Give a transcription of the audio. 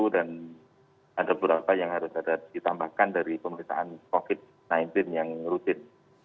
dan ada beberapa yang harus ditambahkan dari pemerintahan covid sembilan belas yang rutin